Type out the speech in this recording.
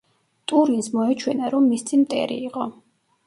ტურინს მოეჩვენა, რომ მის წინ მტერი იყო.